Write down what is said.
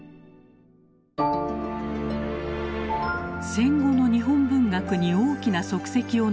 戦後の日本文学に大きな足跡を残した作家